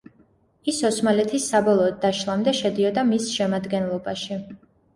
ის ოსმალეთის საბოლოოდ დაშლამდე შედიოდა მის შემადგენლობაში.